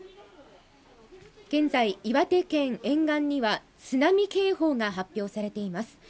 現在、岩手県沿岸には、津波警報が発表されています